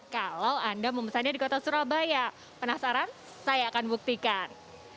kalau anda memesannya di kota surabaya penasaran saya akan buktikan